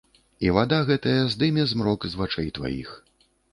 І вада гэтая здыме змрок з вачэй тваіх.